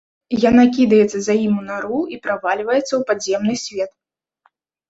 Яна кідаецца за ім у нару і правальваецца ў падземны свет.